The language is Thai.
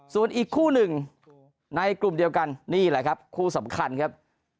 ส่วนอีกคู่หนึ่งในกลุ่มเดียวกันนี่แหละครับคู่สำคัญครับ